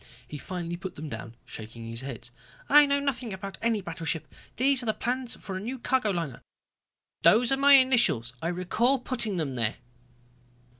He finally put them down, shaking his head. "I know nothing about any battleship. These are the plans for a new cargo liner. Those are my initials, I recall putting them there."